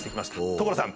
所さん！